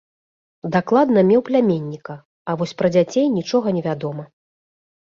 Дакладна меў пляменніка, а вось пра дзяцей нічога невядома.